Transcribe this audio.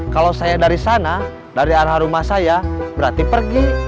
kalau saya dari sana dari arah rumah saya berarti pergi